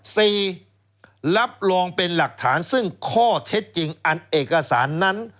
รับรองเป็นหลักฐานซึ่งข้อเท็จจริงอันเอกสารนั้น